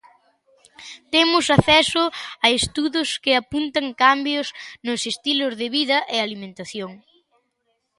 Temos acceso a estudos que apuntan cambios nos estilos de vida e alimentación.